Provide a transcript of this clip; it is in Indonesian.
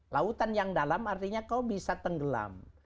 lautan yang dalam artinya kau bisa tenggelam